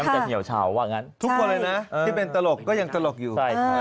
ถ้าเป็นตลกก็ยังตลกอยู่